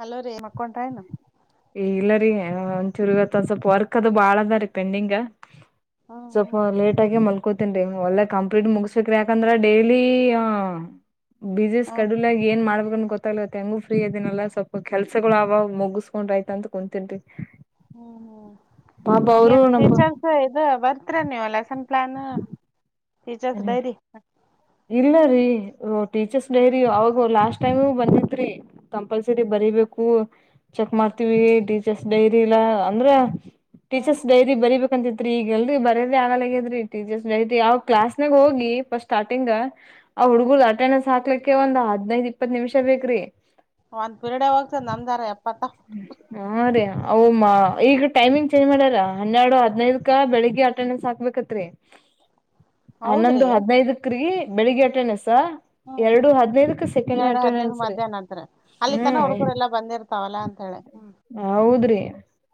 Hello ರೀ ಮಕ್ಕೊಂಟಾಯನು. ಇಲ್ಲ ರೀ ಒಚುರುಗತ್ ಸ್ವಲ್ಪ ವರ್ಕ್ ಅದು ಬಾಳ ಅದ ರೀ ಪೆಂಡಿಂಗ್. ಹ್ಮ್ ಸ್ವಲ್ಪ ಹ್ಮ್ ಲೇಟ್ ಆಗಿ. ನ್ ಒಳ್ಳೆ ಕಂಪ್ಲೀಟ್ ಮುಗ್ಬೇಕ್ರ ಯಾಕಂದ್ರೆ ಡೈಲಿ ಬ ಸ್ಡ್ಯ. ಹ್ಮ್ ಲ್ಲ ಏನ್ ಮಾಡ್ಬೇಕನ್ ಗೊತ್ತಾಗಲೆ ಹೆಂಗು ಫ್ರೀ ಅದೇನಲ್ಲ ಸ್ವಲ್ಪ ಕೆಲ್ಸಗಳು ಅವ ಮುಗ. ತಕೊಂಡ ಆಯ್ತ ಅಂತ ಕುಂತನ್ ಹ್ಮ್ ಹ್ಮ್ ಪಾಪ ಅವರು ಏನು ನಮ್ಮ. ಟೀಚರ್ಸ್ ಇದು ಬರ್ತ್ರಿ ನೀವು ಲೆಸನ್ ಪ್ಲಾನ್ ಟೀಚರ್ಸ್ ಡೈರಿ. ಇಲ್ಲ ರೀ ಟೀಚರ್ಸ್ ಹ್ಮ್ ಡೈರಿ ಅವಾಗ ಲಾಸ್ಟ್ ಟೈಮು ಬಂದಿತ್ರಿ. ಕಂಪಲ್ಸರಿ ಬರಿೀಬೇಕು ಚೆಕ್ ಮಾಡ್ತೀವಿ ಟೀಚರ್ಸ್ ಡೈರಿಲ್ಲಾ ಅಂದ್ರ. ಹ್ಮ್ ಟೀಚರ್ಸ್ ಡೈರಿಬೇಕಂತತ್ರಿ ಈಗ ಎಲ್ ಬರೋದೇ ಆಗಲಗೇ್ರಿ ಟೀಚರ್ಸ್ ಡೈರಿ ಯಾವಾಗ. ಕ್ಲಾಸ್ ನಾಗ ಹೋಗಿ ಪ ಸ್ಟಾರ್ಟಿಂಗ್ ಆ್ ಹ್ಮ್ ಹುಡ್ಗು ಅಟೆಂಡೆನ್ಸ್ ಹಾಕ್ಲಿಕ್ಕೆ. ಬಕ್ಕೆ ಒಂದ್ ಹದ್ೈದು್ ಇಪ್ಪತ್ ನಿಮಿಷ ಬೇಕ್ರಿ. ಒಂದ್ ಪಿರೀಡೆ ಹೋಗ್ತ ನಮ್ದಾರ ಎಪ್ಪತ್ತ. ಹಾ ರೀ ಅ್ಮ್ಮ ಈಗ ಟೈಮಿಂಗ್ ಚೇಂಜ್ ಮಾಡ್ಯಾರ ಹನ್ನೆರಡು ಹದ್ೈದಕ ಬೆಳಿಗ್ಗೆ ಅಟೆಂಡೆನ್ಸ್ ಹಾ. ಹ ಬತ್ರಿ. [inaudible] ಹನ್ನೊಂದು ಹೌದ್ರಿ ಹದ್ಿನೈದಕ್ರಗ ಬೆಳಿಗ್ಗೆ ಅಟೆಂಡೆನ್ಸ್. ಹ್ಮ್ ಎರಡು ಹ್ಮ್ ಹದ್ಿನೈದಕ್ ಸೆಕೆಂಡ್ ಎರಡು ಹದಿನೈದು ಅಟೆಂಡೆನ್ಸ್ ರೀ ಮಧ್ಯಾಹ್ನ ಹ್ಮ್. ತವಲ್ಲಾ ಅಂತ ಹೇಳಿ ಹ್ಮ. ಹೌದ್ರಿ.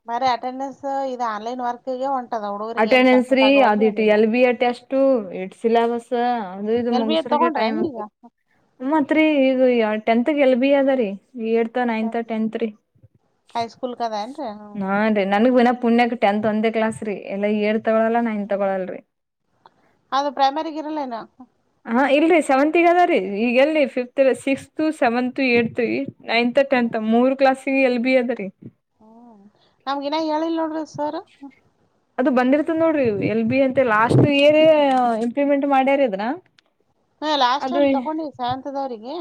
ಮರ ಅಟೆಂಡೆನ್ಸ್ ಇ ಆನ್ಲೈನ್ ವರ್ಕ್ಗೆ ಹೊಂಟದ ಹುಡುಗ್ರ ಏನ್ ಅಟೆಂಡೆನ್ಸ್ ರೀ ಕಸದಗವಲ್ ಅದಿಟ್ ಏನಿಲ್ಲ. ಎಲ್ ಬಿ ಅಟ್ಟೆ ಅಷ್ಟು ಇ ಶಿಲಾಬಸ ಅದು ಇದು ಎಲ್ ಬಿ ಎಡ್ ಮುಗಸರಾಗ ತಗೊಂಡ್ರೇನ್ ಟೈಮ್ ಈಗ ಆಗ್ತದೆ. ಮತ್ರಿ ಈಗ ಟೆಂತ್ಗೆ ಎಲ್ ಬಿ ಅದರಿೀ. ನೈತ ಟೆಂತ್ ರಿ. ಹೈಸ್ಕೂಲ್ಕ್ ಅದೇನ್ರಿ ಹ್ಮ್ ಹ್ಮ್ ನನ್ಗ್ ವಿನ ಪುಣ್ಯಕ್ ಟೆಂತ್ ಒಂದೇ ಕ್ಲಾಸ್ ರೀ ಎಲ್ಲ ಏಳ್ ತಗಳಲ್ಲ ನೈನ್ ತಗೊಳಲ್ರಿ. ಅದು ಪ್ರೈಮರಿಗ್ ಇರಲೇನ. ಹಾ ಇಲ್ರಿ ಸೆವೆಂತಿಗ್ ಅದ ರೀ ಈಗೆಲ್ಲಿ ಫಿಫ್ತ್ ಸಿಕ್ಸ್ ಸೆವೆಂತ್ ಏತ್ ಅದ ರಿ. ನೈನ್ತ್ ಟೆಂತ್ ಮೂರ್ ಕ್ಲಾಸ್ ಗೆ ಎಲ್ ಬಿ ಅದ ರೀ. ಹ್ಮ ನಮ್ಗಿನ ಹೇಳಿಲ್ ನೋಡ್ರಿ ಸರ್ರು. ಅದು ಬಂದಿರ್ತದ್ ನೋಡ್ರಿ ಎಲ್ ಬಿ ಅಂತೆ ಲಾಸ್ಟ್ ಏರ ಇಂಪ್ಲಿಮೆಂಟ್ ಮಾಡ್ಯಾರ ಅದನ. ಹಾ ಲಾಸ್ಟ್ ಟೈಮ್ ತಗೊಂಡಿದ್ದ ಸೆವೆಂತದವರಿಗೆ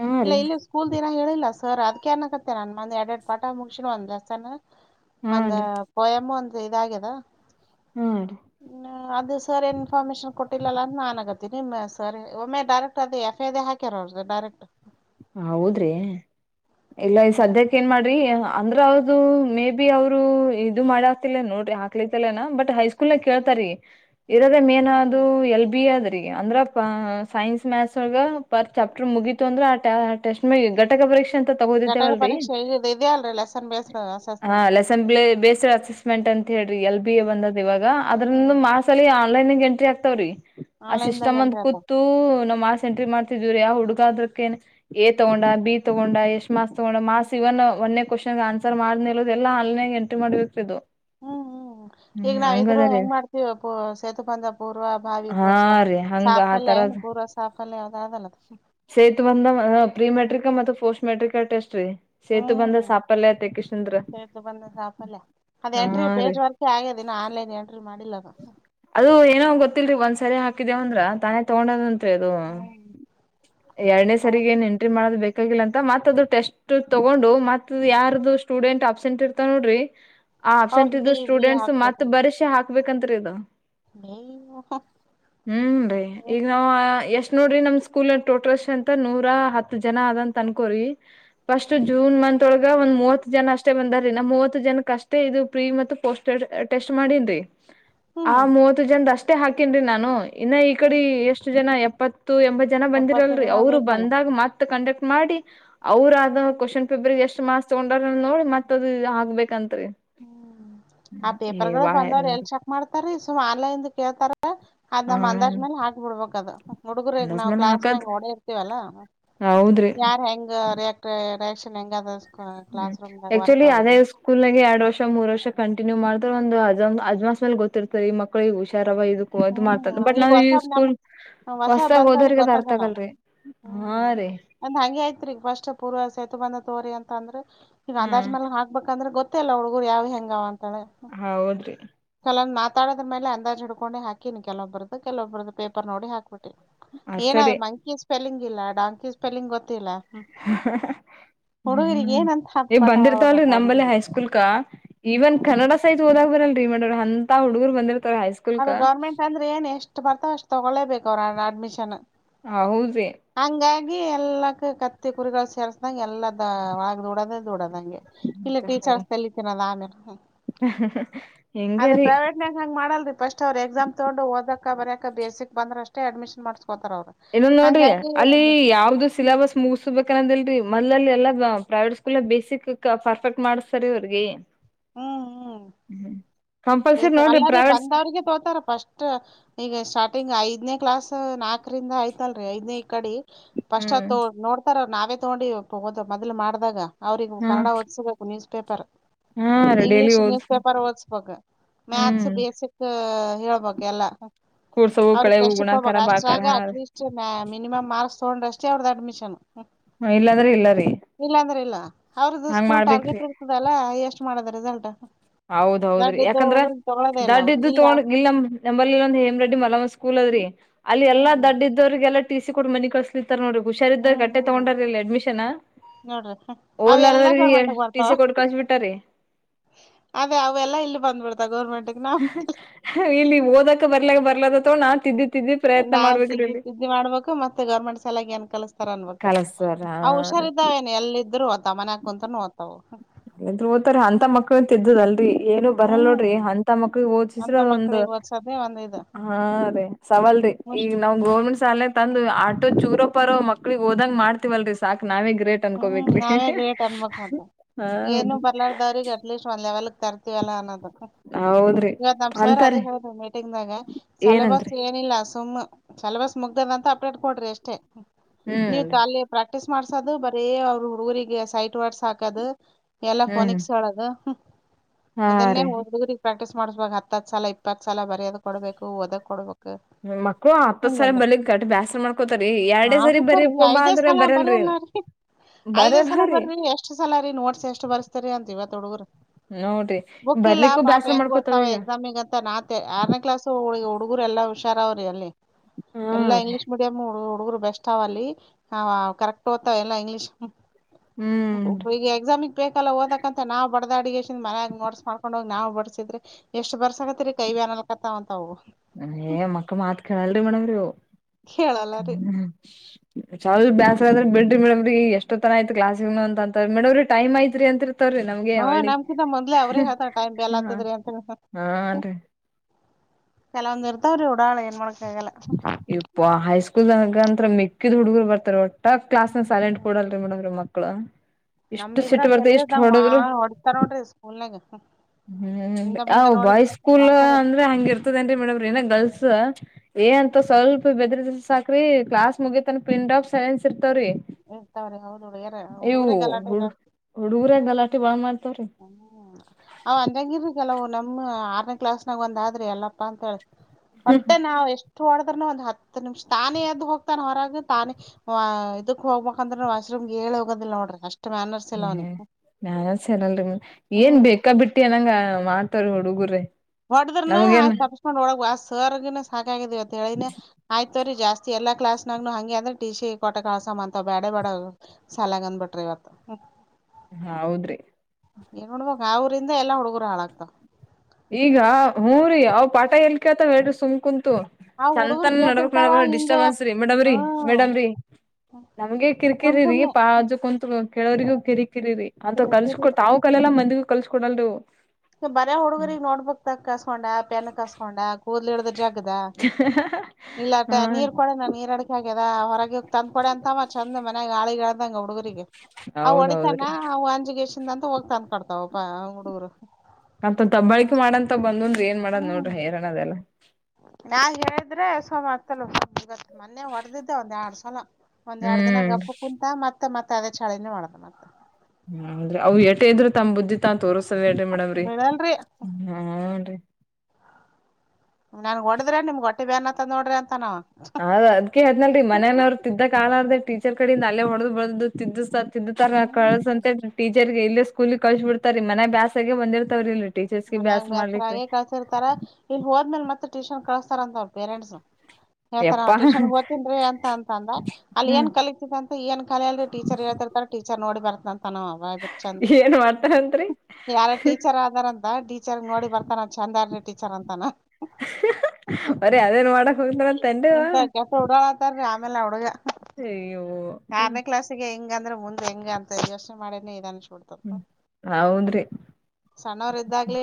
ಹಾ ಇಲ್ಲ ರೀ ಇಲ್ಲಿ. ಸ್ಕೂಲ್ ದಿನ ಹೇಳಿಲ್ಲ ಸರ್ ಅದ್ಕ ಅನ್ನಗತ್ತೆ ಬಂದ್ ಎರಡ್ ಎರಡು ಪಾಠ ಮುಗ್ಸನ ಒಂದ್ಸನ. ಒಂದ ಹಾನ್ ರೀ ಪೊಯಾಮು ಒಂದು ಇದಾಗ್ಯದ. ಹಾನ್ ರೀ ಹ್ಮ ಅದು ಸರಿ ಇನ್ಫಾರ್ಮೇಶನ್ ಕೊಟ್ಟಿಲ್ಲಲ ಅಂತ ನಾನ್ ಆಗತ್ತೀನಿ - - ಸರಿ ಒಮ್ಮೆ ಡರೆಕ್ಟ್ ಅದ ಎಫ್ ಎದೆ ಹಾಕ್ಯಾರ ಅವ್ರ್ ಡೈರೆಕ್ಟ್. ಹ ಹೌದ್ರಿ ಇಲ್ಲ ಈ ಸದ್ಯಕ್ಕೆ. ಏನ್ ಮಾಡ್ರಿ ಅಂದ್ರ ಅವ್ರದು ಮೇ ಬಿ ಅವ್ರು ಇದು ಮಾಡ ಆಕ್ತಿಲ್ಲ ನೋಡ್ರಿ ಹಾಕ್ಲಿತ್ಲ್ಲೇನ ಬಟ್ ಹೈಸ್ಕೂಲ್ ಸ್ಕೂಲ್ ಕೇಳ್ತಾರಿ ಇರೋದೇ ಮೇನ್ ಅದು ಎಲ್ ಬಿ ಅದ. ಅಂದ್ರ ಸೈನ್ಸ್ ಮ್ಯಾತ್ಸ್ ಪರ್ ಚಾಪ್ಟರ್ ಮುಗೀತು ಅಂದ್ರೆ ಆ ಟೆಸ್ಟ್ ಮಿ ಘಟಕ ಪರೀಕ್ಷೆ ಅಂತ. ಘಟಕ ತಗೋದದ್ದೇವಲ್ರರಿ ಪರೀಕ್ಷೆ ಇದ ಇದೆಯ ಅಲ್ರಿ ಲೆಸನ್ ಬೇಸ್ಡ್ ಹ ಅಸೆಸ್ಮೆಂಟ್ ಲಸನ್ ಬ್ಲೆ ಬೇಸ ಮೆಂಟ್ ಅಂತ್ ಹೇಳ್ರಿ ಎಲ್ ಬಿ ಬಂದದ್ ಇವಾಗ ಅದ್ರನು ಹ್ಮ್ ಮಾಸಲಿ ಆನ್ಲೈನ್ ಎಂಟ್ರಿ ಆಗ್ತಾವ್ರಿ. ಆ ಆನ್ಲೈನ್ದಾಗ ಸಿಸ್ಟಮ್ ಮುಂದ್ ಎಂಟ್ರಿ ಆತ ಕೂತು ನಮ್ಮ್ ಮಾಸ ಎಂಟ್ರಿ ಮಾಡ್ತಿದ್ವಿರಿ ಆ ಹುಡುಗ ಆದಿಕ್ಕ ಏನ್ ಎ ತಗೊಂಡ ಬಿ ತಗೊಂಡ ಎಷ್ಟ್ ಮಾಸ್ ತಗೊಂಡ ಮಾರ್ಸ್ ಇವನ್ ಒಂದ ಕ್ವಶನ್ ಆನ್ಸರ್ ಮಾಡ್ ಇಲ್ಲ ಎಲ್ಲಾ ಅನ್ ಲೈನಾಗೆ. ಮಾಡಬೇಕ್ ಇದು. ಹ್ಮ್ ಹ್ಮ್ ಈಗ ಹ್ಮ್ ನಾವ ಇದ್ರು ಹಂಗದರಿ ಹೆಂಗ ಮಾಡ್ತೀವಿ ಪೂ ಸೇತುಪಂದ ಪೂರ್ವ ಬಾವಿ ಹಾ ಪೂಸ ರೀ ಹಂಗ ಸಾಫಲ್ಯ ಆತರದ್ ಪೂರ ಸಾಫಲ್ಯ ಯಾವ್ದಲ್ಲ. ಸೇತು ಬಂದ ಪ್ರೀ ಮೆಟ್ರಿಕ ಮತ್ತು ಪೋಸ್ಟ್ ಮೆಟ್ರಿಕ ಟೆಸ್ಟ್ ರೀ ಸೇತು ಬಂದ ಸಾಪಲ್ಯತೆ. [unintelligible] ಸೇುತು ಬಂದ ಸಾಪಲ್ಯ. ಅದ ಎಂಟ್ರಿ ರೀ ಪೇಜ್ ವರ್ಕೆ ಆಗಿದೆ ಇನ್ನು ಆನ್ಲೈನ್ ಎಂಟ್ರಿ ಮಾಡಿಲ್ಲ ಅದ ಅದು ಏನೋ ಗೊತ್ತಿಲ್ರಿ ಒಂದ್ಸರಿ ಹಾಕಿದೇವಂದ್ರ ತಾನೇ ತಗೊಂಡದಂತ್ರಿ ಅದು. ಹ್ಮ್ ಎರಡನೇ ಹೌದ್ ಸರಿಗೆ ಏನ್ ಎಂಟ್ರಿ ಮಾಡದ್ ಬೇಕ್ ಗಿಲ್ಲ ಅಂತ ಮತ್ ಅದು ಟೆಸ್ಟ್ ತಗೊಂಡು ಮತ್ ಯಾರ್ದು ಸ್ಟೂಡೆಂಟ್ ಅಬ್ಸೆಂಟ್ ಇರ್ತ ನೋಡ್ರಿ. [unintelligible] ಆ ಅಬ್ಸೆಂಟ್ ಇದ ಸ್ಟೂಡೆಂಟ್ಸ್ ಮತ್ತ ಹಾಕ್ಬೇಕಂತ ಬರಸಿ ಹಾಕ್ಬೇಕಂತ್ ರಿ ಇದು. [unintelligible] ಹುನ್ರಿ ಈಗ ನಾವ್ ಎಷ್ಟ್ ನೋಡ್ರಿ ನಮ್ ಸ್ಕೂಲ್ ಟೋಟಲ್ ಸ್ಟ್ರೆಂತ್ ನೂರ ಹತ್ತು ಜನ ಅದಂತ ಅನ್ಕೋರಿ ಫಸ್ಟ್ ಹ್ಮ್ ಜೂನ್ ಮಂತ್ ಒಳಗ ಒಂದ್ ಮೂವತ್ ಜನ ಅಷ್ಟೇ ಬಂದಾರೀ ನಾ ಮೂವತ್ತು ಜನಕ್ ಅಷ್ಟೇ ಇದು ಪ್ರೀ ಮ ಪೋಸ್ಟೆಡ್ ಟೆಸ್ಟ್ ಮಾಡನ್ ರಿ. ಆ ಹ್ಮ್ ಮೂವತ್ತು ಜನದ ಅಷ್ಟೇ ಹಾಕೇನ್ರಿ ನಾನು ಇನ್ನ ಈ ಕಡೆ ಎಷ್ಟು ಜನ ಎಪ್ಪತ್ತು ಎಂಬತ್ತು. ಜನ ಎಪ್ಪತ್ತು ಬಂದಿರಲ್ರಿ ಜನ ಅವ್ರು ಬೇಕಲ್ಲ ಬಂದಾಗ ಮತ್ ಕಂಡಕ್ಟ್ ಮಾಡಿ. ಅವ್ರ ಅ ಆದು ಕ್ವಶನ್ ಪೇಪರ್ ಎಷ್ಟ್ ಮಾರ್ಕ್ಸ್ ತಗೊಂಡಾರೆ ನೋಡಿ ಮತ್ತ್ ಅದು ಆಗ್ಬೇಕಂತ್ ರಿ. ಹ್ಮ್ [unintelligible] ಆ ಪೇಪರ್ ಗಳು ಬಂದವರು ಹೈರಾಣ್ರಿ ಎಲ್ಕ್ [inaudible] ಮಾಡ್ತಾರ ಸುಮ್ ಆನ್ಲೈನ್ ಕೇಳ್ತಾರ ಅದ್ ಹಾ ನಮ್ಮ್ ಅಂದಾಜ್ ಮೇಲೆ ಹಾಕ್ಬ ಬಿಡ್ಬಕ್ ಅದ. ಹುಡುಗರುಗ್ ಅಂದಾಜ್ ನಾವು ಮೇಲ್ ಹಾಕದ್ ಕ್ಲಾಸ್ನಂಗ ನೊಡಿ ಇರ್ತೀವಲ್ಲ ಹೌದ್ರಿ ಯಾರ್ ಹೆಂಗ ರಿಯಾಕ್ಟ್ - - ರೆಷನ್ ಎಂಗಾದ ಕ್ಲಾಸ್ ರೂಮ್ ಒರ್ಕ್ ಅವ್ರಾದು. ಸ್ಕೂಲ್ ನಾಗೆ ಎರಡ್ ವರ್ಷ ಮೂರ್ ವರ್ಷ ಕಂಟಿನ್ಯೂ ಮಾಡ್ತಾರೆ ಒಂದು ಅಜ ಅಜಾಮ್ಶನ್ ಮೇಲೆ ಗೊತ್ತಿರ್ತದ ಮಕ್ಳಿಗ್ ಹುಷಾರ ಇದು. ಅದು [unintelligible] ಹ್ಮ್ ಬಟ್ ಈಗ ನಾವು ಈ ಹೊಸಾದ್ ನಮ್ ಸ್ಕೂಲ್. ಹೊಸಾದ್ ಹೊಸಾಗ ಬಂದವ್ರಿಗ್ ಹೋದವರಿಗ ಅದ ಅರ್ಥ ಆಗಲ್ರಿ ಹಾ ರೀ. ಅದ ಹಂಗೆ ಐತ್ರಿ ಈಗ ಫಸ್ಟ್ ಪೂರ್ವ ಸೇತು ಬಂದ ತೋರಿ ಅಂತಂದ್ರ ಈಗ ಹ್ಮ್ ಅಂದಾಜ್ ಮೇಲ ಹಾಕ. ಬೇಕಂದ್ರೆ ಗೊತ್ತ ಇಲ್ಲ ಹುಡ್ಗರು ಯಾವ್ ಹೆಂಗ ಅವ ಅಂತಳೆ. ಹೌದ್ರಿ. ಕಲ ನ ಮಾತಾಡದ ಮೇ ಅಂದಾಜ ಹಿಡ್ಕೊಂಡು ಹಾಕಿನ್ ಕೆಲೊಬ್ಬರುದು ಕೆಲವಬ್ಬರುದ ಪೇಪರ್ ನೋಡಿ ಹಾಕ್ಬೇಕು. ಅಷ್ಟೇ ಏನಾದ್ ರೀ ಮಂಕಿ ಸ್ಪೆಲ್ಲಿಂಗ್ ಇಲ್ಲ ಡಾಂಕಿ ಸ್ಪೆಲ್ಲಿಂಗ್ ಗೊತ್ತಿಲ್ಲ. [unintelligible] ಹುಡುಗರಿಗ್ ಹ್ಮ್ ಏನಂತ ಈಗ ಪಾಠ ಬಂದಿರ್ತಾವಲ್ರಿ ಮಾಡ್ಬೇಕಂತ ನಂಬಲ್ಲಿ ಹುಡುಗರಿ ಹೈಸ್ಕೂಲ್ ಕ ಇವನ್ ಹ್ಮ್ ಕನ್ನಡ ಸೈ. ಇರಾಕ್ ಬರಾಂಗಿಲ್ರಿ ಮೇಡಮ್ ಅಂತ ಹುಡುಗುರು ಬಂದಿತಾರೆ ಹೈ. ಅದು ಗೌರ್ಮೆಂಟ್ ಅಂದ್ರೆ ಏನ್ ಎಷ್ಟ್ ಬರ್ತಾವ ಅಷ್ಟ್ ತಗೊಳ್ಳೇಬೇಕು ಅವ್ರ ಅಡ್ಮಿಷನ್. ಹೌದ್ರಿ. ಹಂಗಾಗಿ ಎಲ್ಲಕ್ಕ ಕತ್ತಿ ಕುರಿಗಳು ಸೇರ್ಸ್ದಂಗ ಎಲ್ಲದ ಒಳಗ ದುಡೋದ ದುಡೋದ. ಇಲ್ಲ ಟೀಚರ್ಸ್ ತಲಿ ತಿನ್ನೋದು ಆಮೇಲ್. ಹಿಂಗೆರೀ. ಇಲ್ಲ್ ಹಂಗ ಮಾಡಲ್ರಿ ಫಸ್ಟ್ ಅವ್ ಎಕ್ಸಾಮ್ ತೊಂಡು ಓದಕ ಬರಕ ಬೆಸಿಕ್ ಬಂದ್ರ ಅಷ್ಟ ಅಡ್ಮಿಷನ್ ಮಾಡ್ಸ್ಕೋತಾರ ಅವರು. ಇಲ್ಲ್ ನೋಡ್ರಿ ಅಲ್ಲಿ ಯಾವ್ದು ಹ್ಮ್ ಸಿಲಬಸ್. ಮುಗಸಬೇಕನದಲ್ರಿ ಮೊದಲ್ ಎಲ್ಲಾ ಪ್ರೈವೇಟ್ ಸ್ಕೂಲ್ ಬೇಸಿಕ್ ಪರ್ಫೆಕ್ಟ್ ಮಾಡಸ್ತಾರಿ ಅವ್ರಿಗೆ. ಹ್ಮ್ ಹ್ಮ ಕಂಪಲ್ಸರಿ ಬೇಸ ನೋಡ್ರಿ ಅಲ್ಲಾರಿ ಪ್ರೈವೇಟ್. ಬಂದವ್ರಿಗೆ ತೋತಾರ ಫಸ್ಟ್. ಈಗ ಸ್ಟಾರ್ಟಿಂಗ್ ಐದನೇ ಕ್ಲಾಸ್ ನಾಕರಿಂದ ಆಯ್ತಲ್ರರಿ ಐದನೇ ಕಡೆ. ಫಸ್ಟ್ ಹ್ಮ್ ಅದು ನೋಡ್ತಾರ ನಾವೇ ತಗೊಂಡಿ ಮೊದ್ಲು ಮಾಡ್ದಾಗ ಅವ್ರಿಗೆ ಹಾ ಕನ್ನಡ ಓದಸ್. ನ್ಯೂಸ್ ಪೇಪರ್ ಹಾ ರೀ ಡೈಲಿ ಇಂಗ್ಲಿಷ್ ನ್ಯೂಸ್ ಓದ್ಸ ಪೇಪರ್ ಓದಸ್ಬೇಕು. ಮ್ಯಾತ್ಸ್ ಹ್ಮ್ ಬೇಸಿಕ್ ಹೇಳ್ಬಕ್ ಎಲ್ಲ. ಕೂಡ್ಸವು ಅವ್ರಕ್ಕೆ ಕಳೆವು ಎಷ್ಟು ಗುಣಾಕಾರ ತೋಗಾಗ ಅಷ್ಟ ಬಾಕಾರ ಆಗ ಅಟ್ಲೀಸ್ಟ್. ಅ ಮಿನಿಮಮ್ ಮಾರ್ಕ್ಸ್ ತಗೊಂಡ್ರ ಅಷ್ಟೇ ಅವ್ರದ್ ಅಡ್ಮಿಷನ್. ಹ ಇಲ್ಲಾಂದ್ರೆ ಇಲ್ಲರಿ ಇಲ್ಲಾ ಅಂದ್ರೆ ಇಲ್ಲ ಅವ್ರದು ಹಂಗ್ ಸ್ಕೂಲ್ ಮಾಡ್ಬೇಕ್ರಿ ಟಾರ್ಗೆಟ್. ಹೌದಲ್ಲ ಎಷ್ಟು ಮಾಡದ ರಿಸಲ್ಟ್. ಹೌದ ಹೌದ್ರಿ ದೊಡ್ಡ ಇದ್ದ ಯಾಕಂದ್ರ ಹುಡುಗರ್ಗ್ ತೊಗೊಳೋದೇ ಇಲ್ಲ ದಡ್ ಅವು ಇದ್ದವ ಇಲ್ಲ ತಗೊಂಡ ಇಲ್ ನಮ. ನಂಬಲ್ಲಿ ಒಂದ್ ಹೇಮ ರೆಡ್ಡಿ ಮಲಮ್ಮ ಸ್ಕೂಲ್ ಅದ ರೀ ಅಲ್ಲಿ ಹ್ಮ್ ಎಲ್ಲ ದಡ್ಡ ಇದವರಿಗೆಲ್ಲ ಟಿ ಸಿ ಕೊಟ್ ಮನಿ ಕಳಸ. ತರ್ ನೋಡ್ರಿ ಹುಷಾರಿದ್ರ ಹ್ಮ್ ಅಟ್ಟೆ ಹ್ಮ್ ತಗೊಂಡಾರ ಇಲ್ಲಿ ಅಡ್ಮಿಷನ್. ನೋಡ್ರಿ ಅವೆಲ್ಲಾ ಓದಲ್ರಾದಾವ್ರಿಗಿರಿ ಗೌರ್ಮೆಂಟ್ಗ್ ಟಿ ಬರ್ತಾವ ಸಿ ಕೊಟ್ಟ ಕಳಿಸಿ ಬಿಟ್ಟಾರಿ. ಅದೇ ಅವೆಲ್ಲಾ ಇಲ್ಲ ಬಂದ್ಬಿಡ್ತಾವ ಗೌರ್ಮೆಂಟ್ಗ್ ನ. ಇಲ್ಲಿ ಓದಕ ಬರ್ಲಾಗ ಬರ್ಲದ ತೋಗೋಂಡ ನಾ ತಿದ್ದಿ. ತಿದ್ದಿ ಪ್ರಯತ್ನ ನಾವ್ ಮಾಡ್ಬೇಕ್ರಿ ತಿದ್ದ ಇಲ್ಲಿ ತಿದ್ದ ಮಾಡ್ಬೇಕು ಮತ್ತೆ ಗೌರ್ಮೆಟ್ ಸಾಲಾಗ ಏನ್ ಕಲಸ್ತಾರ ಅನ್ಬೇಕ. ಕಲಸ್ತಾರ ಹ ಹುಷಾರಿದ್ದಾವೇನ ಎಲ್ಲ ಇದ್ರು ಓದ್ತ ಮನ್ಯಾಗ್ ಕುಂತ್ರು ಓದ್ತಾವು. ಎಲ್ರೂ ಓದ್ತಾರ ಅಂತ ಮಕ್ಕಳು ತಿದ್ದುದಲ್ರರಿ. ಏನು ಬರಲ್ ಹ್ಮ್ ನೋಡ್ರಿ ಅಂತ ಮಕ್ಳಿಗೆ ಓದಚಿಸ್ರ ಅಂತ ಒಂದು. [unintelligible] ಒಂದ್ ಐದ್. ಹಾರಿ ಸವಾಲ್ರಿ ಈ. ನಾವು ಗೌರ್ಮೆಂಟ್ ಸಾಲ ತಂದು ಆಟೋ ಚೂರೋ ಪರೋ ಮಕ್ಳಿಗೆ ಹೋದಂಗ ಮಾಡ್ತಿವಲ್ರರಿ ಸಾಕ್ ನಾವೇ ಗ್ರೇಟ್. ಹ್ಮ್ ಅನ್ಕೋಬೇಕ್ರಿ. ನಾವೇ ಗ್ರೇಟ್ ಅನ್ಬಕ್ ಮತ್ತ ಏನು ಹಾ ಬಲಾರ್ದವ್ರಿಗೆ ಅಟ್ ಲೀಸ್ಟ್ ಒಂದ್ ಲೆವೆಲ್ಗೆ ತರ್ತೀವಲ್ಲ ಅಲ್ಲ. ಹೌದ್ರಿ ಅದ ನಮ್ ಸರ್ ಅದೇ ಅಂತಾರೀ ಹೇಳ ಮೀಟಿಂಗ್ನಾಗ ಸೆಲಬಸ್ ಏನಂದ್ರಿ ಏ. ಲ್ಲ ಸುಮ್ಮ್ ಸೆಲೆಬಸ್ ಮುಗ್ದದ ಅಂತ ಅಪ್ಡೇಟ್ ಕೊಡ್ರಿ ಅಷ್ಟೇ ನೀವು ಹ್ಮ್ ತಾಲ. ಪ್ರಾಕ್ಟೀಸ್ ಮಾಡ್ಸೋದು ಬರೀ ಅವ್ರ ಹುಡುಗರಿಗೆ ಸೈಟ್ ವರ್ಡ್ಸ್ ಹಾಕದು ಎಲ್ಲ ಹ್ಮ್ ಫೋನಿಕ್ಸ್ಳದು ಹಾ ಇದನ್ನೇ ರೀ ಹುಡುಗ್ರಿ ಪ್ರಾಕ್ಟೀಸ್ ಮಾಡಿಸುವ ಹತ್ ಹತ್ ಸಲ ಇಪ್ಪತ್ತು ಸಲ ಬರಯದ್ ಕೊಡ್ಬೇಕು ಓದಕ್ ಕೊಡ್ಬೇಕು ಮಕ್ಳು ಹತ್ ಹಿಂಗ್ ಸಾರಿ ಅಂದ್ರ. ಬರ್ಕ್ ಕಟ್ಟಿ ಬ್ಯಾಸ್ರ ಮಾಡ್ಕೋತರಿ ಎರಡೇ ಸಾರಿ ಬರಿಕೊಂಬ ಅಂದ್ರೆ ಬರಲ್ರಿ ಐದ್ ಐದೇ ಸಲ ಬರಲ್ಲರಿ ಬರ್ರಿ ಎಷ್ಟ್ ಸಲ ರೀ ನೋಡ್ಸ್ ಎಷ್ಟ್ ಬರ್ಸ್ತರಿ ಅಂತ್ ಇವತ್ ಹುಡುಗರು ನೋಡ್ರಿ ಬುಕ್ ಇಲ್ಲ ಬರ್ಲಿಕ್ಕೂ ಪಾಪ ಬ್ಯಾಸರ ಹೆಂಗ್ ಮಾಡ್ಕೊತಾವ ಓದತಾವ ಈಗ. ಎಕ್ಸಾಮಿಗೆ ಅಂತ ನಾನ್ ತ್ತ ಆರನೇ ಕ್ಲಾಸ್ ಹುಡುಗರು ಎಲ್ಲಾ ಹುಷಾರ ಅವ್ರ ಅಲ್ಲಿ. ಹಾ ಎಲ್ಲಾ ರೀ ಇಂಗ್ಲೀಷ್ ಮೀಡಿಯಂ ಹುಡುಗರು ಬೆಸ್ಟ್ ಅವ ಅಲ್ಲಿ ಆವಾ ಕರೆಕ್ಟ್ ಎಲ್ಲ ಇಂಗ್ಲೀಷ್ ಹ್ಮ್ ಒಬ್ಳಿಗ್ ಎಕ್ಸಾಮ್ ಇತ್ತು ಬೇಕಲ್ಲ ಓದಕಂತ ನಾವು ಬಡ್ದ ಅಡಿಗೆೇಶಿಂದ ಮನಯಾಗ ನೋಡ್ಸ ಮಾಡ್ಕೊಂಡ ಹೋಗಿ ನಾವು ಬಡಸಿದ್ರಿ ಎಷ್ಟ್ ಬರ್ಸಕತ್ತರಿ ಕೈ ಬ್ಯಾನ್ ಅನಲ್ಕತ್ತಾವಂತ ಅವು ಏ ಮಕ್ಕಳ್ ಮಾತ್ ಕೇಳಲ್ರಿ ಮೇಡಮ್ರೀರು ಕೇಳಲ್ಲರಿ ಚಾಲ್ ಬೇಸ್ರ ಅದ್ರಿ ಬಿಡ್ರ ಮಡಮ್ರೀ ಎಷ್ಟ ತರ ಆಯಐತ್ ಕ್ಲಾಸಸ್ಗನು ಅಂತ ಮೇಡ್ಮ್ ರೀ ಟೈಮ್ ಐತ್ ಅಂತತ್ರಿ ಅಂತಾವ್ ರೀ ನಮಗೆ ಹ ನಮ್ಕಿಂತ ಮೊದಲೆ ಅವ್ರೇ ಆತ ಟೈಮ್ ಬೆಲ್ ಹಾ ಆತದ್ರೀ ಅಂತ ಹಾನ್ರಿ. ಕೆಲ ಒಂದ್ ಇರ್ತವ ರೀ ಉಡಾಳ ಎನ್ ಮಾಡಾಕ್ ಗಲ ಹೈಸ್ಕೂಲ್ ನಗಾ ಅಂತ ಮೆಕ್ಕಿದ್ ಹುಡುಗರು ಬರ್ತಾರೆ ಒಟ್ಟ ಕ್ಲಾಸ್ ಸೈಲೆಂಟ್ ಹ್ಮ್ ಕೊಡಲ್ಲ [unintelligible] ಮಡರ ಮಕ್ಕಳು ನಮ ಇದ್ರಾಗ ಪೆ [unintelligible] ಮಾ ಹೊಡತಾರ ನೋಡ್ರಿ ಸ್ಕೂಲ್ನಾಗ ಹ್ಮ್ ಹಿಂದ ಅ ಮುಂದ ನೋಡಿದ್ವಿ ಬಾಯ್ಸ್ ಸ್ಕೂಲ್ ಬರ್ತಾರ ಅಂದ್ರೆ ಹಂಗ ಇರ್ತದೇನ್ರಿ ಮೇಡಮ್ರ ಇನ್ನು ಗರ್ಲ್ಸ್ ಏ ಅಂತ ಸ್ವಲ್ಪ ಬೆದ್ರ ಸಾಕ್ರಿ ಕ್ಲಾಸ್ ಮುಗತಾನ ಪಿನ್ ಡ್ರಪ್ ಸಾಲೆನ್ಸ್ ಇರ್ತವ್ರಿ ಇರ್ತಾವ್ರೀ ಹೌದು ಹುಡುಗಿರೆ ಹುಡುಗರೇ ಗಲಾಟೆ ಜಾಸ್ತಿ ಹುಡುಡುಗುರೇ ಗಲಾಟಿ ಬಾಳ ಮಾಡ್ತವ್ರೀ ಹ್ಮ್ ಅವ್ ಅಂದಜಾಗ ಇರ್ರಿ ಕೆಲವು ನಮ್ ಆರನೇ ಕ್ಲಾಸ್ನಾಗ ಒಂದ ಆದ್ರಿ ಎಲ್ಲಪ್ಪಾ ಅಂತ ಹೇಳ ಹೊಟ್ಟೆ ನಾವ್ ಎಷ್ಟು ಹೊಡದ್ರನು ಒಂದು ಹತ್ತು ನಿಮಿಷ ತಾನೇ ಎದ್ದು ಹೋಗ್ತಾನ ಹೊರಗ ತಾನೇ ಇದಕ್ ಹೋಗ್ಬೇಕಂದ್ರೆ ವಾಶ್ರೂಮ್ಗೆ ಹೇಳಿ ಹೋಗೋದಿಲ್ಲ ನೋಡ್ರಿ ಅಷ್ಟ್ ಮ್ಯಾನರ್ಸ್ ಇಲ್ಲ ಅವನಿಗೆ ಹ್ಮ್ ನಾನ ಸರಲ್ರಿ ಏನ್ ಬೇಕಾ ಬಿಟ್ಟಿ ಅನಂಗ ಮಾಡ್ತವ್ರಿ ಹುಡುಗರ್ರೀ ಹೊಡದ್ರನ ಆಯ್ ತಪ್ಸ್ಕೊಂಡ್ ಒಳಗ ಆ ಸರ್ಗ ಸಾಕಾಗಿದಿವವಿ ಅತ್ ಹೇಳಿನ ಆಯ್ತವ್ರರಿ ಜಾಸ್ತಿ ಎಲ್ಲ ಕ್ಲಾಸ್ನಾಗನು ಹಂಗೆ ಅದ್ರೆ ಟಿ ಸಿ ಕೊಟ್ಟ ಕಲ್ಸಮ್ ಅಂತ ಬ್ಯಾಡ ಬ್ಯಾಡ ಸಾಲ ಗಂದ್ ಬಿಟ್ರಿ ಇವತ್ತು ಹಾ ಹೌದ್ರಿ ಏನ್ ನೋಡ್ಬಬೇಕಕ್ ಅವ್ರಂದ ಎಲ್ಲ ಹುಡುಗುರು ಹಾಳಾಗ್ತಾವ. ಈಗ ಹೂ ರೀ ಅವ್ ಪಾಠ ಎಲ್ಕತವೇ ಎರಡು ಸುಮ್ ಕುಂತು ಆ ಹುಡುಗರು ಚಂತನ್ ನಡ್ಬಕ್ ಕೇಳ್ತಿರ್ತಾವ ನಡಬಕ್ ಹಿಂದ ಡಿಸ್ಟರ್ಬ ಅನ್ಸ್ರೀ ಹ್ಮ ಮೇಡಮ್ರರಿ ಮೇಡಮ್ರರಿ ನಮ್ಗೆ ಸುಮ್ ಕಿರಿಕಿರಿ ರೀ ಸುಮ್ನೆ ಪಾಜು ಕುಂತ್ ಕೆಳವರಿಗೂ ಕಿರಿ ಕಿರಿ ರೀ ಅಂತ ಕಲ್ಸಕೊ ತಾವು ಕಲಿಲ್ಲ ಮಂದಿಗೂ ಕಲ್ಸ್ಕೊಡಲ್ರು ಬರೇ ಹುಡುಗರಗ್ ನೋಡ್ಬಕ್ ತಾ ಕಸ್ಕೊಂಡ ಪೆನ್ ಕಸ್ಕೊಂಡ ಕೂದ್ಲಿ ಇಡ್ದ ಜಗದ ಇಲ್ಲ ಅಟ್ಟೆ ಹಾ ನೀರ್ ಕೊಡ ನ ನೀರ್ ಅಡಕೆ ಆಗ್ಯದ ಹೊರಗೆ ತಂದ್ಕ ಕೊಡ ಅಂತಮ್ಮ ಚಂದ ಮನ್ಯಾಗ ಆಳಿ ಂ [unintelligible] ಗ ಹುಡುಗರಿಗೆ ಅವು ಹೌದೌದ್ರಿ ಹೊಡಿತತಾನವು ಅಂಜ್ಗೇಶಿಂದ ಅಂತ ಹೋಗ್ತಂದ್ಕಡ್ತಾವ ಹುಡುಗರು ಮತ್ತ ತಬ್ಬಳಕೆ ಮಾಡಂತ ಬಂದ್ಂದ್ರ ಏನ್ ಮಾಡದ್ ಹ್ಮ್ ನೋಡ್ರಿ ಹೇಳೋದ್ ಅದೆಲ್ಲ ನಾ ಹೇಳಿದ್ರೆ ಸೊ ಮತ್ತಲ್ಲಗತ್ತು ಮೊನ್ನೆ ಹೊಡೆದಿದ್ದೆ ಒಂದ್ ಎರಡ್ ಸಲ ಒಂದ್ ಎರಡ್ ದಿನ ಹ್ಮ್ ಗಪ್ಪ ಕುಂತ ಮತ್ತೆ ಮತ್ತೆ ಅದೇ ಚಾಳಿನೇ ಮಾಡ್ದ ಮತ್ತೆ ಹ್ಮನ್ರಿ ಅವು ಏಟೆ ಇದ್ರರು ತಮ್ಮ್ ಬುದ್ಧಿ ತಾ ತೋರ್ಸಲ್ಡರಿ ಮೇಡಮ್ರಿ ಬಿಡಲ್ರಿ ಹ್ಮ ನ್ರಿ ನನ್ಗ ಹೊಡದ್ರೆ ನಿಮ್ಗೆ ಹೊಟ್ಟೆ ಬೇನಂತ ನೋಡ್ರಿ ಅಂತನ ಅವ ಅದ್ ಅದ್ಕೆ ಅದ್ನಲ್ರರಿ ಮನೇನ ಅವ್ರು ತಿದ್ದ ಕಾಣಾರದ ಟೀಚರ್ ಕಡಿಂದ ಅಲ್ಲೇ ಹೊಡ್ದ ಬಡ್ದು ತಿದಿಸ್ತಾರೆ ತ ತಾರ ಕಳ್ಸ ಹ್ಮ್ ಅಂತ ಟೀಚರ್ಗೆ ಇಲ್ಲ ಸ್ಕೂಲ್ಗ್ ಕಳ್ಸ್ ಬಿಡ್ತಾರೀ ಮನಗ ಬ್ಯಾಸಾಗೆ ಬಂದಿರ್ತವ್ರರಿ ಇಲ್ಲಿ ಟೀಚರ್ಸಗೆ ಬ್ಯಾಸ್ರ ಮಾಡ್ಲಿಕ್ಕೆ [unintelligible] ಇರ್ತಾರ ಇಲ್ಲಿ ಹೋದ್ಮೇಲೆ ಮತ್ತೆ ಟ್ಯೂಷನ್ ಕಳಸ್ತಾರಂತ ಅವ್ರ್ ಪೇರೆಂಟ್ಸ್ ಯತರ ಯಪ್ಪಾ ಟ್ಯೂಷನ್ ಒತಿಂದ್ರಿ ಅಂತ ಅಂತ ಅಂದ ಅಲ್ಲಿ ಹ್ಮ್ ಏನ್ ಕಲಿತೀರ ಅಂತ ಏನ್ ಕಲಿಯಲ್ಲ ಅ ಟೀಚರ್ ಹೇಳ್ತಿರ್ತಾರೆ ಟೀಚರ್ ನೋಡಿ ಬರ್ತವಿ [unintelligible] [unintelligible] ಚಂದ ಏನ್ ಮಾಡ್ತಾರಂತ್ರಿ ಯಾರ ಟೀಚರ್ ಆದಾರಂತ ಟೀಚರ್ಗ್ ನೋಡಿ ಬರ್ತಾನ್ ಚಂದಾರ ಟೀಚರ್ ಅಂತಾನ [unintelligible] ಬರಿ ಅದೇನ್ ಮಾಡಕ್ ಹೋಗ್ತಾರಂತನ್ರಿ ಅವ ಇಂತ ಕೆಸ ಹುಡುಗಾಳತಾರೀ ಆಮೇಲೆ ಹುಡುಗ ಅಯ್ಯೋ ಆರ್ನೇ ಹ್ಮ್ ಕ್ಲಾಸ್ಗೆ ಹೆಂಗ ಅಂದ್ರೆ ಮುಂದ್ ಹೆಂಗ ಅಂತ ಯೋಚನೆ ಮಾಡೇನೆ ಇ [unintelligible] ಹ್ಮ್ ಹೌದ್ರಿ ಸಣ್ಣವ್ರ ಇದ್ದಾಗ್ಲಿ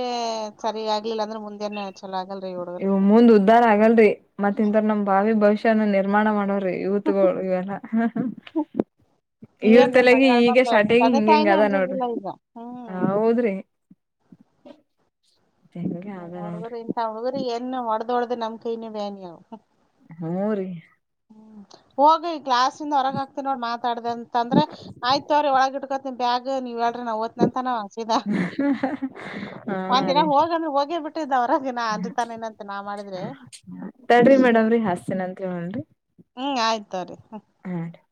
ಸರಿಗ್ಗ್ಲಿಲ್ಲ ಅಂದ್ರೆ ಮುಂದೆನ ಚಲೋ ಆಗ್ [unintelligible] ಇವು ಮುಂದ್ ಉದ್ಧಾರ ಆಗಲ್ರಿ ಮತ್ ಇಥರ ನಮ್ ಬಾವಿ ಭವಿಷ್ಯನ ನಿರ್ಮಾಣ ಮಾಡವ್ರಿ ಯೂತ್ಗಳು ಇವೆಲ್ಲಾ ಇವ್ರ ಇವೇನ್ರೀ ತಲೆಗಿ ಮನ್ಯಾಗ ಈಗ ಮಾಡ್ತಾವ ಶಾರ್ಟಿಗ ತಂದೆ ಹಿಂಗ ಹಿಂಗ ತಾಯಿನೇ ಅದ ನೋಡ್ರಿ ಅಂಜಂಗಿಲ್ಲ ಈಗ ಹ್ಮ್ ಹ ಹೌದ್ರಿ [inaudible] [inaudible] ಎಲ್ಲ ಅದ ಹುಡ್ಗರು ನೋಡ್ರಿ ಇಂತಥ ಹುಡಗುರ್ನ ಒಡ್ದ ಒಡ್ದ ನಮ್ ಕೈನ ಬೇನಿ ಅಗ್ಯವು ಹ್ಮ್ ರೀ ಹೋಗಿ ಈ ಕ್ಲಾಸ್ ಇಂದ ಹೊರಗ ಹಾಕ್ತಿನ ನೋಡ್ ಮಾತಾಡ್ದ ಅಂತಂದ್ರೆ ಆಯ್ತ ತವ್ರಿ ಒಳಗ ಇಟ್ಕೋತಿನಿ ಬ್ಯಾಗ್ ನೀವ ಹೇಳ್ರರಿ ನಾವ್ ಹೋತೀವಿ ಅಂತನ ಇದಾ ಹಾ ಒಂದಿನ ರೀ ಹೋಗ್ ಅಂದ್ರೆ ಹೋಗೇ ಬಿಟ್ಟಿದ್ದ ಒರಗೆ ಅಂದ ತಾನೇನಂತ ನಾವ್ ಮಾಡಿದ್ರೆ ತಡ್ರಿ ಮೇಡಮ್ರಿ ಹಾಸ್ತಿನ ಅಂತ ಹೊಳ್ರಿ ಹ್ಮ್ ಆಯ್ತ ತೋರಿ [unintelligible]